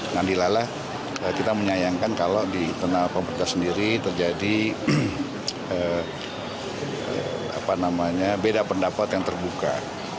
ngandilalah kita menyayangkan kalau di internal pemerintah sendiri terjadi beda pendapat yang terbuka